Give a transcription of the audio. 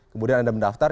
kemudian anda mendaftar